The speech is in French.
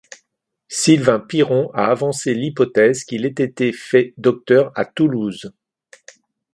Sylvain Piron a avancé l'hypothèse qu'il ait été fait docteur à Toulouse.